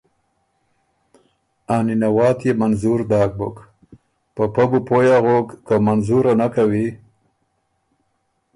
آ نِنه واتيې منظور داک بُک، په پۀ بو پوئ اغوک که منظوره نک کوی